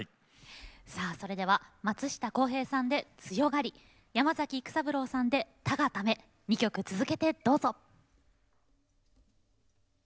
さあそれでは松下洸平さんで「つよがり」山崎育三郎さんで「誰が為」２曲続けてどうぞ。